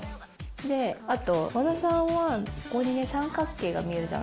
であと和田さんはここにね三角形が見えるじゃないですか。